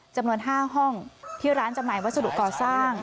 จำนวน๕ห้องที่ร้านจำหน่ายวัสดุก่อสร้าง